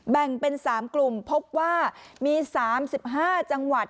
แบ่งเป็น๓กลุ่มพบว่ามี๓๕จังหวัด